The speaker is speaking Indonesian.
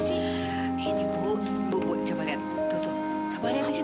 ini tidak akan berhasil